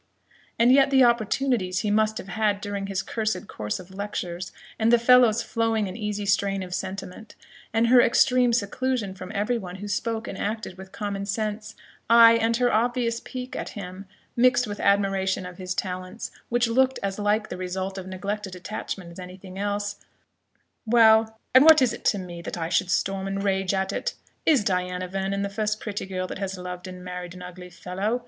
And yet the opportunities he must have had during his cursed course of lectures; and the fellow's flowing and easy strain of sentiment; and her extreme seclusion from every one who spoke and acted with common sense; ay, and her obvious pique at him, mixed with admiration of his talents, which looked as like the result of neglected attachment as anything else Well, and what is it to me, that I should storm and rage at it? Is Diana Vernon the first pretty girl that has loved and married an ugly fellow?